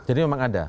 jadi memang ada